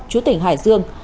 chú tỉnh hải dương